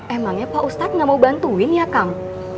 emangnya pak ustadz gak mau bantuin ya kang